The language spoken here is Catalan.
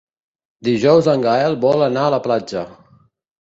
Dijous en Gaël vol anar a la platja.